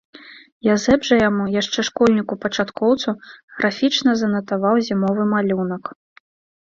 Язэп жа яму, яшчэ школьніку-пачаткоўцу, графічна занатаваў зімовы малюнак.